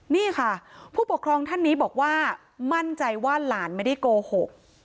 นี่ค่ะผู้ปกครองท่านนี้บอกว่ามั่นใจว่าหลานไม่ได้โกหก